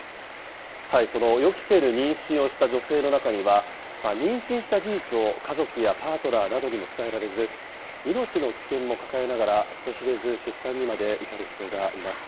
その予期せぬ妊娠をした女性の中には、妊娠した事実を家族やパートナーなどにも伝えられず、命の危険も抱えながら人知れず出産にまで至る人がいます。